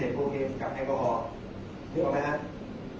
แต่ว่าไม่มีปรากฏว่าถ้าเกิดคนให้ยาที่๓๑